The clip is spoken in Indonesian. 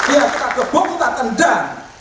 ya kita gebung kita tendang